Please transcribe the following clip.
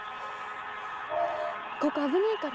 ここあぶないから。